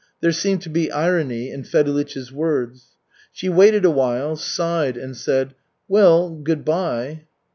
There seemed to be irony in Fedulych's words. She waited a while, sighed, and said: "Well, good by."